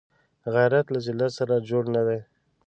غیرت له ذلت سره جوړ نه دی